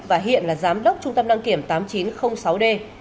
và hiện là giám đốc trung tâm đăng kiểm tám nghìn chín trăm linh sáu d